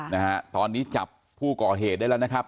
นะฮะตอนนี้จับผู้ก่อเหตุได้แล้วนะครับ